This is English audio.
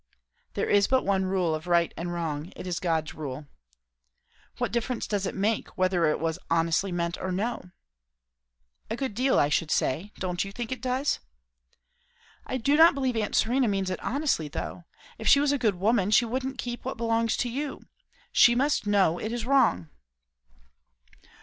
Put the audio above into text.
"There is but one rule of right and wrong; it is God's rule." "Then what difference does it make, whether it was 'honestly meant' or no?" "A good deal, I should say. Don't you think it does?" "I do not believe aunt Serena means it honestly, though. If she was a good woman, she wouldn't keep what belongs to you. She must know it is wrong!"